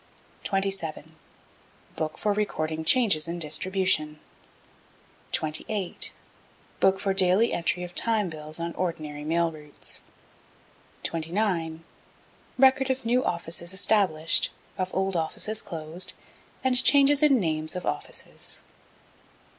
27. Book for recording changes in distribution. 28. Book for daily entry of Time Bills on ordinary mail routes. 29. Record of new offices established, of old offices closed, and changes in names of offices.